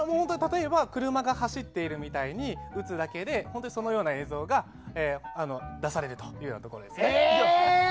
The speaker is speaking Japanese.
車が走っているみたいに打つだけで本当にそのような映像が出されるというようなところです。